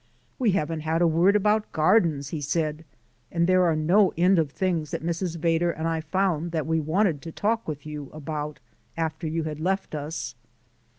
"We haven't had a word about gardens," he said, "and there are no end of things that Mrs. Vedder and I found that we wanted to talk with you about after you had left us."